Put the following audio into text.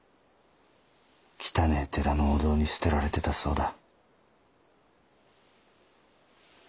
汚え寺のお堂に捨てられてたそうだ。